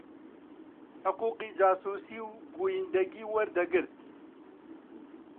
حقووقی جاسووسی و گوویندەگی وەردەگرت